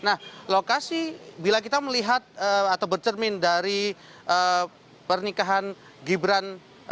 nah lokasi bila kita melihat atau bercermin dari pernikahan gibran